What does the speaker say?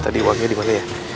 tadi uangnya dimana ya